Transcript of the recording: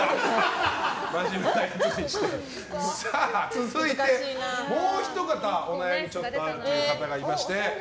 続いて、もうひと方お悩みがあるという方がいまして。